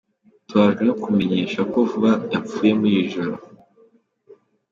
Tubabajwe no kumenyesha ko Vuba yapfuye mu ijoro.